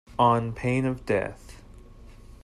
On pain of death.